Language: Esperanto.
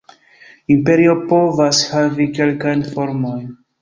Imperio povas havi kelkajn formojn.